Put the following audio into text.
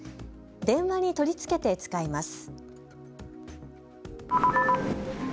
電話に取り付けて使います。